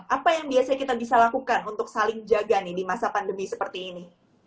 apa yang biasanya kita bisa lakukan untuk saling jaga nih di masa pandemi seperti ini